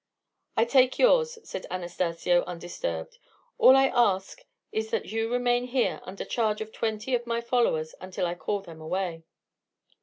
"I take yours," said Anastacio, undisturbed. "All I ask is that you remain here under charge of twenty of my followers until I call them away."